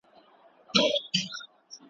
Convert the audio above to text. زه په لمبو کي د پتنګ میني منلی یمه.